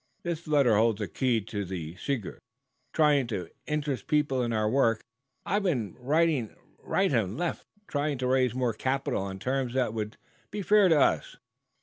This letter holds the key to the secret. Trying to interest people in our work, I've been writing right and left trying to raise more capital on terms that would be fair to us.